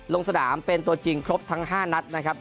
ลงสนามเป็นตัวจริงครบทั้ง๕นัดนะครับ